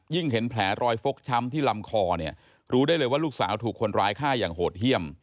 เห็นแผลรอยฟกช้ำที่ลำคอเนี่ยรู้ได้เลยว่าลูกสาวถูกคนร้ายฆ่าอย่างโหดเยี่ยม